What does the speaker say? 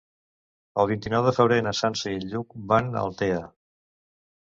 El vint-i-nou de febrer na Sança i en Lluc van a Altea.